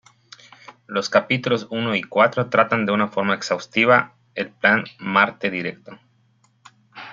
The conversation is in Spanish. Los capítulos uno y cuatro tratan de una forma exhaustiva el plan "Marte Directo".